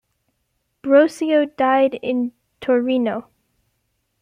Brosio died in Torino.